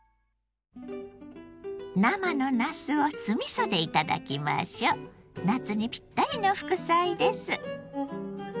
生のなすを酢みそで頂きましょう！夏にピッタリの副菜です。